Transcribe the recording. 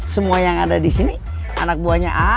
semua yang ada di sini anak buahnya a